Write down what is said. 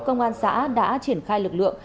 công an xã đã triển khai lực lượng